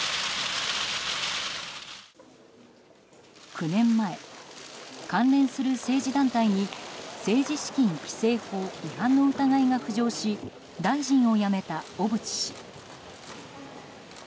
９年前、関連する政治団体に政治資金規正法違反の疑いが浮上し大臣を辞めた小渕氏。